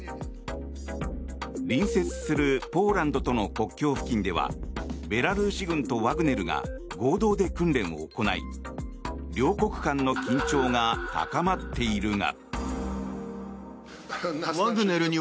隣接するポーランドとの国境付近ではベラルーシ軍とワグネルが合同で訓練を行い両国間の緊張が高まっているが。